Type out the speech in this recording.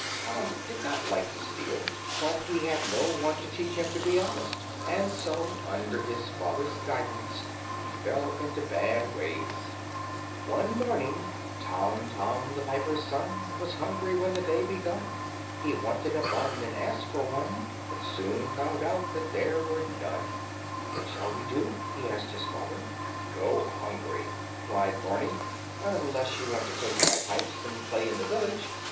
Tom did not like to steal, but he had no one to teach him to be honest, and so, under his father's guidance, he fell into bad ways. [Illustration: Tom, the Piper's Son] One morning Tom, Tom, the piper's son, Was hungry when the day begun; He wanted a bun and asked for one, But soon found out that there were none. "What shall we do?" he asked his father. "Go hungry," replied Barney, "unless you want to take my pipes and play in the village.